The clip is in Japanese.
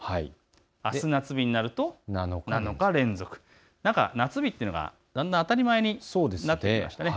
あす夏日になると７日連続、夏日というのがだんだん当たり前になってきましたね。